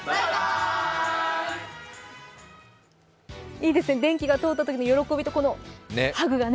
いいですね、電気が通ったときの喜びとこのハグがね。